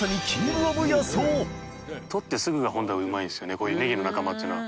こういうネギの仲間っていうのは。